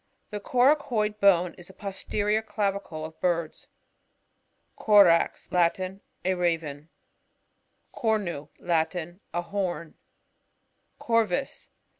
The coracoid bone.is the posterior clavicle of birds. Cor AX. — Latin. A Raven. CoRNU. — Latin. A horn. CoRvu8.